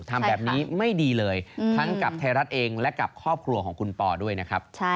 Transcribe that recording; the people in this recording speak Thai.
ทำแบบนี้ไม่ดีเลยทั้งกับไทยรัฐเองและกับครอบครัวของคุณปอด้วยนะครับ